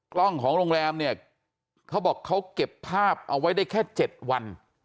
ของโรงแรมเนี่ยเขาบอกเขาเก็บภาพเอาไว้ได้แค่๗วัน